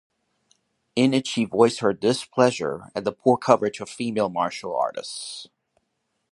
In it she voiced her displeasure at the poor coverage of female martial artists.